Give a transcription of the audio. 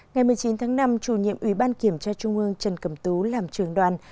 ngày một mươi chín tháng năm chủ nhiệm ủy ban kiểm tra trung ương trần cẩm tú làm trường đoàn